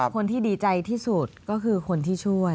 คนที่ดีใจที่สุดก็คือคนที่ช่วย